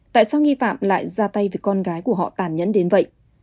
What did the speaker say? tại sao nghi phạm lại ra tay vì con gái của họ tàn nhẫn đến vậy